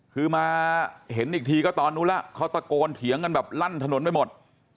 คือมาเห็นอีกทีก็ตอนนู้นแล้วเขาตะโกนเถียงกันแบบลั่นถนนไปหมด